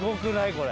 これ。